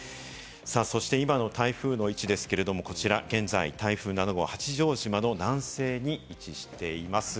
そして今の台風の位置ですけれども、こちら現在、台風７号、八丈島の南西に位置しています。